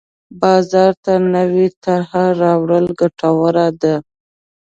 بازار ته نوې طرحه راوړل ګټوره ده.